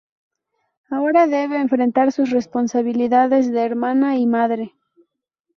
Ahora debe enfrentar sus responsabilidades de hermana y madre.